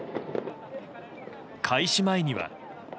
開始前には。